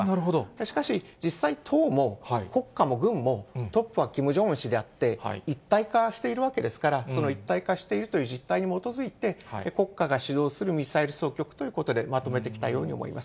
しかし、実際、党も国家も軍も、トップはキム・ジョンウン氏であって、一体化しているわけですから、その一体化しているという実態に基づいて、国家が主導するミサイル総局ということでまとめてきたように思います。